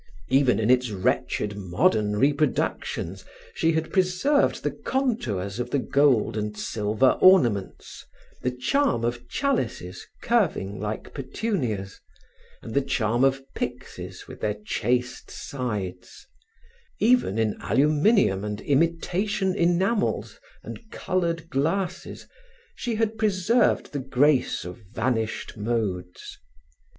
Even in its wretched modern reproductions, she had preserved the contours of the gold and silver ornaments, the charm of chalices curving like petunias, and the charm of pyxes with their chaste sides; even in aluminum and imitation enamels and colored glasses, she had preserved the grace of vanished modes.